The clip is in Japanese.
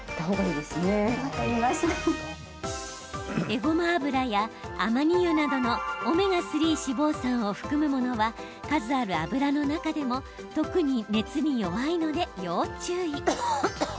えごま油やアマニ油などのオメガ３脂肪酸を含むものは数ある油の中でも特に熱に弱いので要注意。